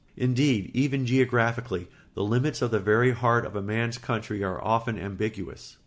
Indeed, even geographically, the limits and the very heart of a man's country are often ambiguous.